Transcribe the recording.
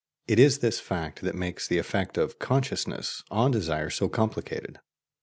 It is this fact that makes the effect of "consciousness" on desire so complicated.